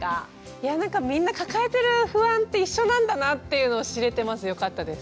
いやなんかみんな抱えてる不安って一緒なんだなっていうのを知れてまずよかったです。